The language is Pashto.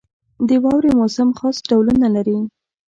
• د واورې موسم خاص ډولونه لري.